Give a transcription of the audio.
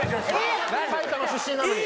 埼玉出身なのに。